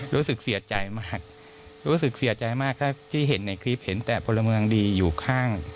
รู้สึกเสียใจมากรู้สึกเสียใจมากถ้าที่เห็นในคลิปเห็นแต่พลเมืองดีอยู่ข้าง